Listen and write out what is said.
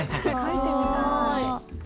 書いてみたい。